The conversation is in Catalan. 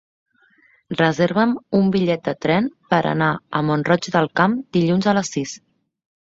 Reserva'm un bitllet de tren per anar a Mont-roig del Camp dilluns a les sis.